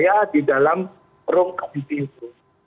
ya di dalam room kabit itu